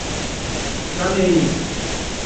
Xa me ía.